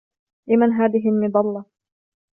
لمن هذه المظلة ؟